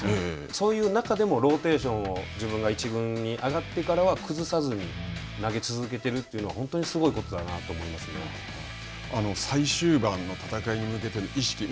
そういう中でもローテーションを自分が１軍に上がってからは崩さずに投げ続けているというのは、本当にすごいことだと思いま最終盤の戦いに向けての意識。